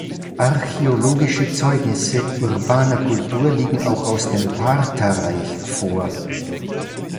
Archäologische Zeugnisse urbaner Kultur liegen auch aus dem Partherreich vor.